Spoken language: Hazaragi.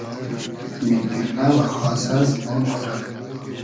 مینگیرنۂ و خاسۂ زیبۉن خو رۂ